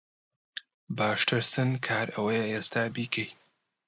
باشترسن کار ئەوەیە ئێستا بیکەی